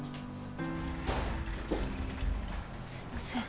すいません。